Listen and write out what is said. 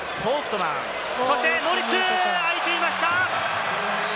モリッツ、空いていました。